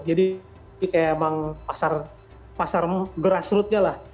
jadi emang pasar berasrutnya lah